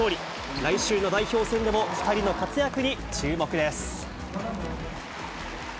来週の代表戦でも２人の活躍に注目です。